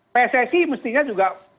pssi mestinya juga